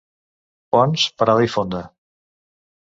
Ponts, parada i fonda.